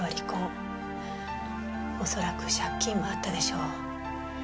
おそらく借金もあったでしょう。